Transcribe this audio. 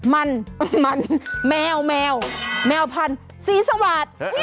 มันมันแมวแมวแมวพันธุ์สีสวาส